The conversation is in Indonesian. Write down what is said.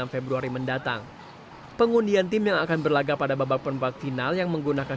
enam februari mendatang pengundian tim yang akan berlagak pada babak perempat final yang menggunakan